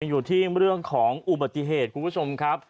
อยู่ที่เรื่องของอุบัติเหตุคุณผู้ชมครับ